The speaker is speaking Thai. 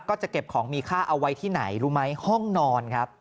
ก็จะเก็บของมีค่าเอาไว้ที่ไหนรู้ไหมห้องนอนครับ